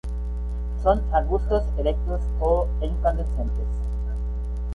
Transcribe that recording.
Son arbustos erectos o escandentes.